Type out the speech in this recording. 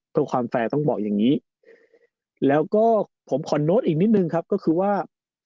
ก็ความแฟร์ต้องบอกอย่างนี้แล้วก็ผมขอโน้ตอีกนิดนึงครับก็คือว่า